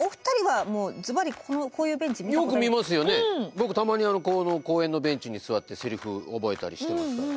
僕たまに公園のベンチに座ってセリフ覚えたりしてますから。